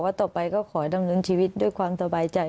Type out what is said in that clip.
ต่อไปก็ขอดำเนินชีวิตด้วยความสบายใจ